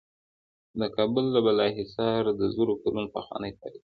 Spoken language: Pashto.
د کابل د بالا حصار د زرو کلونو پخوانی تاریخ لري